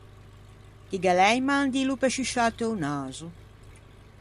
Ti ghe l’æ un mandillo pe sciusciâte o naso?